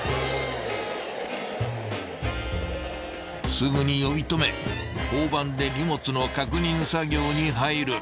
［すぐに呼び止め交番で荷物の確認作業に入る］